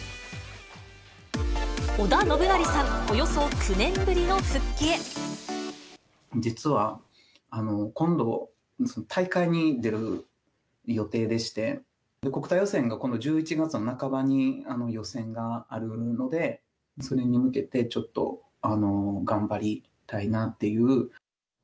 織田信成さん、およそ９年ぶ実は今度、大会に出る予定でして、国体予選がこの１１月の半ばに予選があるので、それに向けてちょっと頑張りたいなっていう。